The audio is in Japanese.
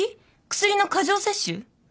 薬の過剰摂取？